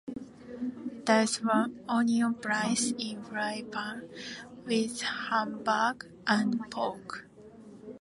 Dice one onion -place in fry pan with Hamburg and pork.